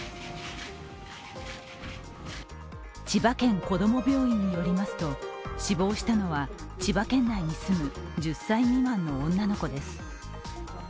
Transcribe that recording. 千葉県子ども病院によりますと、死亡したのは千葉県内に住む１０歳未満の女の子です。